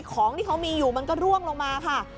ของที่เขามีอยู่มันก็ร่วงลงมาค่ะ